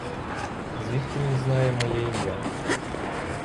Звідки він знає моє ім'я?